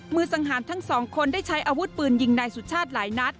สังหารทั้งสองคนได้ใช้อาวุธปืนยิงนายสุชาติหลายนัด